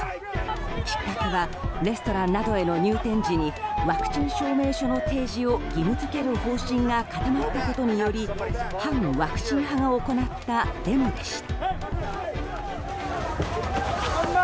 きっかけはレストランなどへの入店時にワクチン証明書の提示を義務付ける方針が固まったことにより反ワクチン派が行ったデモでした。